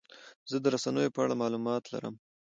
زه د رسنیو په اړه معلومات لرم.